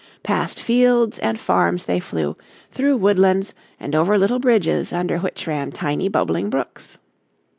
Past fields and farms they flew, through woodlands and over little bridges under which ran tiny, bubbling brooks.